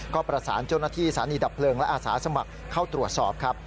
ก็ประสานเจ้าหน้าที่สถานีดับเพลิงและอาสาสมัครเข้าตรวจสอบครับ